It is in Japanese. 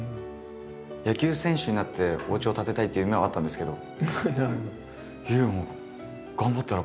野球選手になっておうちを建てたいっていう夢はあったんですけど。